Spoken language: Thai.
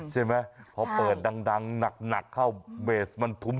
ใช่ไหมพอเปิดดังหนักเข้าเบสมันทุ่ม